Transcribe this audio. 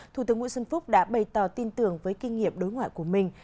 thủ tướng nguyễn xuân phúc đã bày tỏ tin tưởng với kinh nghiệm đối ngoại của mình